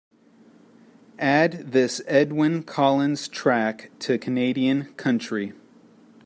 Add this edwyn collins track to Canadian Country